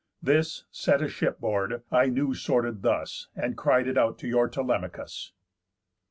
This, set a ship board, I knew sorted thus, And cried it out to your Telemachus."